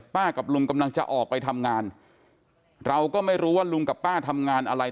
กับลุงกำลังจะออกไปทำงานเราก็ไม่รู้ว่าลุงกับป้าทำงานอะไร